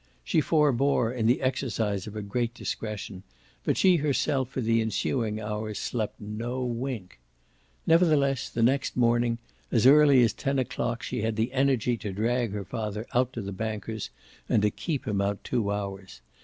She forbore, in the exercise of a great discretion, but she herself for the ensuing hours slept no wink. Nevertheless the next morning, as early as ten o'clock, she had the energy to drag her father out to the banker's and to keep him out two hours.